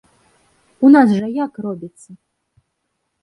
У нас жа як робіцца?